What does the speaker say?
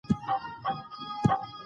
په کور کي يم .